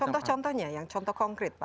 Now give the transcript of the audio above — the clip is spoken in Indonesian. contoh contohnya yang contoh konkret pak